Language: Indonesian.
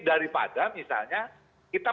daripada misalnya kita